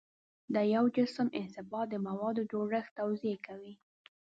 د یو جسم انبساط د موادو جوړښت توضیح کوي.